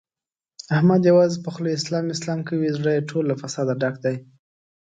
احمد یوازې په خوله اسلام اسلام کوي، زړه یې ټول له فساده ډک دی.